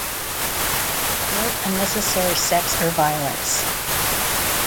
No "unnecessary" sex or violence.